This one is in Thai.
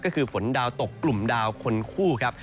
ก็คือฝนดาวตกกลุ่มดาวคนคู่ครับ